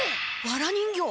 わら人形！